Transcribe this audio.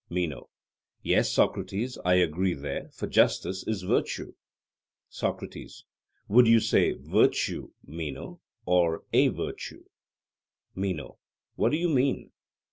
MENO: Yes, Socrates; I agree there; for justice is virtue. SOCRATES: Would you say 'virtue,' Meno, or 'a virtue'? MENO: What do you mean?